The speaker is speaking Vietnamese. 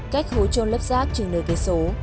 cách hối trôn lớp rác chừng nửa kế số